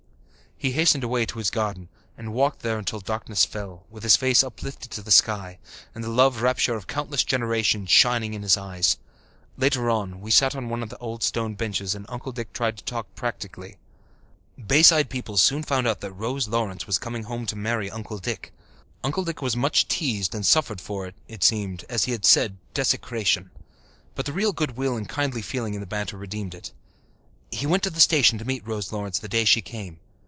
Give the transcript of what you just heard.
He hastened away to his garden and walked there until darkness fell, with his face uplifted to the sky, and the love rapture of countless generations shining in his eyes. Later on, we sat on one of the old stone benches and Uncle Dick tried to talk practically. Bayside people soon found out that Rose Lawrence was coming home to marry Uncle Dick. Uncle Dick was much teased, and suffered under it; it seemed, as he had said, desecration. But the real goodwill and kindly feeling in the banter redeemed it. He went to the station to meet Rose Lawrence the day she came.